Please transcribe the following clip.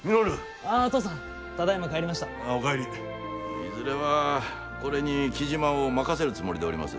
いずれはこれに雉真を任せるつもりでおります。